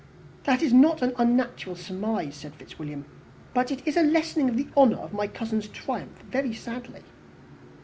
"That is not an unnatural surmise," said Fitzwilliam; "but it is lessening the honour of my cousin's triumph very sadly."